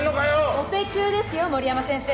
オペ中ですよ森山先生。